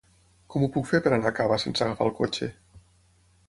Com ho puc fer per anar a Cava sense agafar el cotxe?